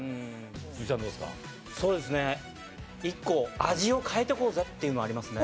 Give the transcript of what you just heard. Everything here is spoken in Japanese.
１個味を変えていこうぜっていうのありますね。